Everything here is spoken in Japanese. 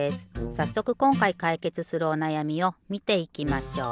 さっそくこんかいかいけつするおなやみをみていきましょう。